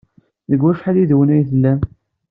Deg wacḥal yid-wen ay tellam?